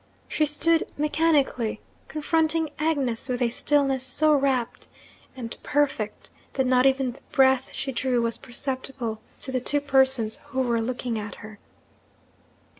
She stood, mechanically confronting Agnes, with a stillness so wrapt and perfect that not even the breath she drew was perceptible to the two persons who were looking at her.